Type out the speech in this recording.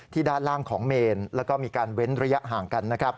ที่ด้านล่างของเมนแล้วก็มีการเว้นระยะห่างกัน